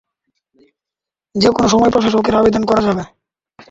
যে-কোন সময় প্রশাসকের আবেদন করা যাবে।